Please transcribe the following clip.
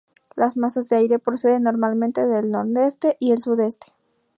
Las masas de aire proceden normalmente del nordeste y el sudeste.